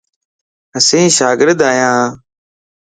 اسين شاگرد ايان